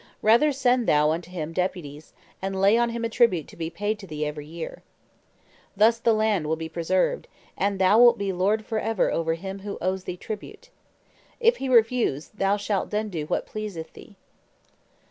Rather send thou unto him deputies, and lay on him a tribute to be paid to thee every year. Thus the land will be preserved, and thou wilt be lord forever over him who owes thee tribute. If he refuse, thou shalt then do what pleaseth thee."